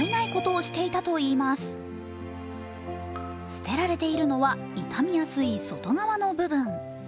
捨てられているのは傷みやすい外側の部分。